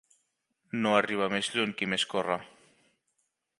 No arriba més lluny qui més corre.